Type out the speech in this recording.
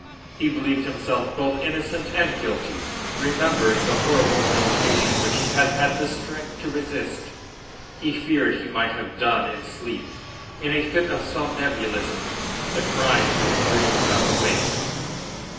He believed himself both innocent and guilty. Remembering the horrible temptation which he had had the strength to resist, he feared he might have done in sleep, in a fit of somnambulism, the crime he had dreamed of awake.